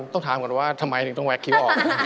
ต้องถามก่อนว่าทำไมถึงต้องแก๊กคิ้วออก